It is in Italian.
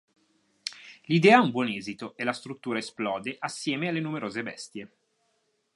L'idea ha un buon esito e la struttura esplode assieme alle numerose bestie.